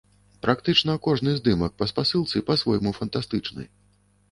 Практычна кожны здымак па спасылцы па-свойму фантастычны.